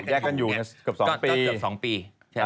แยกกันอยู่เกือบ๒ปี